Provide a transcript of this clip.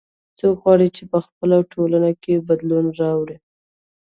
څوک غواړي چې په خپله ټولنه کې بدلون راولي